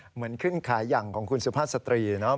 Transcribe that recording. เหมือนขึ้นขายอย่างของคุณสุภาพสตรีเนาะ